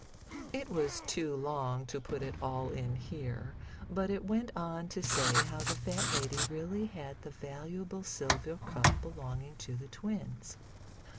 It was too long to put it all in here, but it went on to say how the fat lady really had the valuable silver cup belonging to the twins.